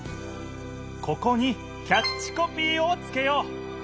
ここにキャッチコピーをつけよう！